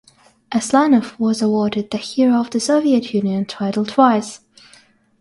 Aslanov was awarded the Hero of the Soviet Union title twice.